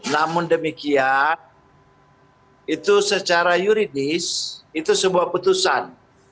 namun demikian itu secara yuridis itu sebuah putusan